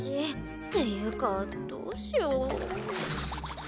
っていうかどうしよう。